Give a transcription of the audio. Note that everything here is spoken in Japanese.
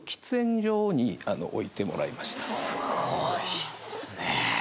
すごいっすね。